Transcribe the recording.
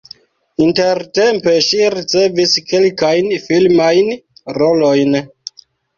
Intertempe ŝi ricevis kelkajn filmajn rolojn.